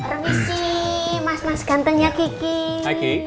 rami sih mas mas gantengnya kiki